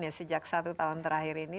ya sejak satu tahun terakhir ini